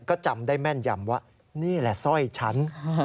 ก็จำได้แม่นยำว่านี่แหละสร้อยฉัน